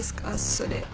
それ。